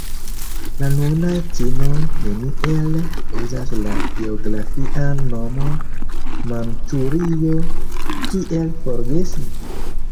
La nunaj ĉinoj neniel uzas la geografian nomon Manĉurio – kiel forgesi?